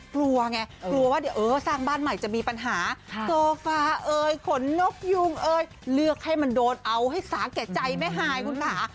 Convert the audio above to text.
กลัวไงกลัวว่าเดี๋ยวเออสร้างบ้านใหม่จะมีปัญหาโซฟาเอ่ยขนนกยุงเอ้ยเลือกให้มันโดนเอาให้สาแก่ใจแม่ฮายคุณค่ะ